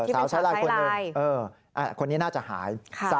สาวใช้ไลน์คนหนึ่งคนนี้น่าจะหาย